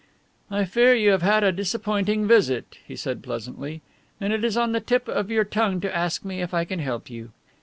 "I fear you have had a disappointing visit," he said pleasantly, "and it is on the tip of your tongue to ask me if I can help you.